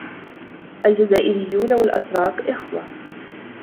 الجزائريون والأتراك إخوة.